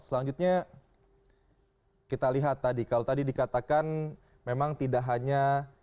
selanjutnya kita lihat tadi kalau tadi dikatakan memang tidak hanya